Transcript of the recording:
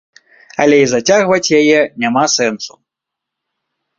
Але і зацягваць яе няма сэнсу.